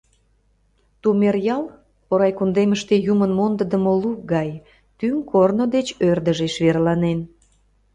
Тумер ял — Порай кундемыште Юмын мондымо лук гай, тӱҥ корно деч ӧрдыжеш верланен.